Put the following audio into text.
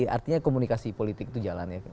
artinya komunikasi politik itu jalan ya